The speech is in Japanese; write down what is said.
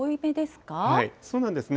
そうなんですね。